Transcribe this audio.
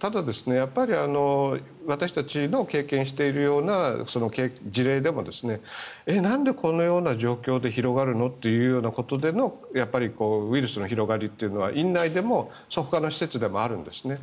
ただ私たちの経験しているような事例でもなんでこんな状況で広がるの？ということでのウイルスの広がりというのは院内でもほかの施設でもあるんですね。